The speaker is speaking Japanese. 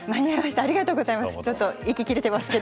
ありがとうございます。